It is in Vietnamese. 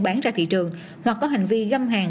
bán ra thị trường hoặc có hành vi găm hàng